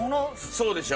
そうでしょ？